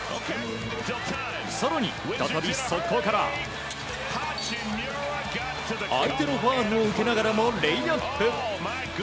更に再び速攻から相手のファウルを受けながらもレイアップ。